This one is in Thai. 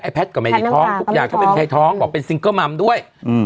ไอ้แพ็ดกำลังจากทุกอย่างเขาเป็นใครท้องอืมบอกเป็นซิงเกอร์มัมด้วยอืม